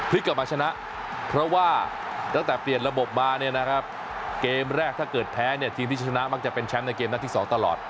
กลับมาชนะเพราะว่าตั้งแต่เปลี่ยนระบบมาเนี่ยนะครับเกมแรกถ้าเกิดแพ้เนี่ยทีมที่ชนะมักจะเป็นแชมป์ในเกมนัดที่๒ตลอด